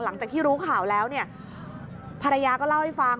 หลังจากที่รู้ข่าวแล้วเนี่ยภรรยาก็เล่าให้ฟัง